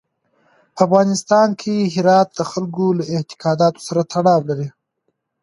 په افغانستان کې هرات د خلکو له اعتقاداتو سره تړاو لري.